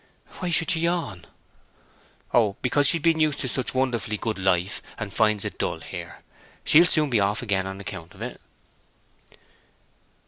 "Why should she yawn?" "Oh, because she's been used to such wonderfully good life, and finds it dull here. She'll soon be off again on account of it."